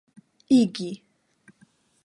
igi